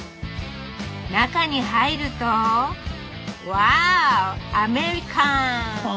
中に入るとわぁアメリカン！